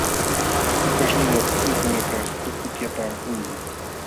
Pukaśhnila pukyukunakaq pukutyapaakunmi.